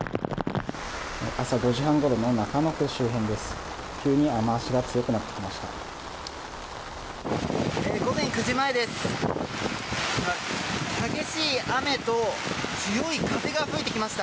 朝５時半ごろの、中野区周辺です。